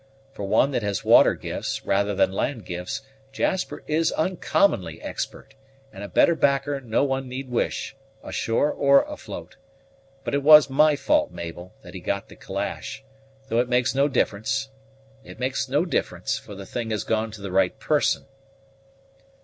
For one that has water gifts, rather than land gifts, Jasper is uncommonly expert, and a better backer no one need wish, ashore or afloat. But it was my fault, Mabel, that he got the calash; though it makes no difference it makes no difference, for the thing has gone to the right person."